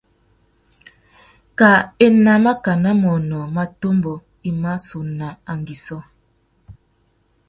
Kā ena màkánà manô mà tômbô i mà sú una angüissô.